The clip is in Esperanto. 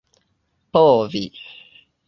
povi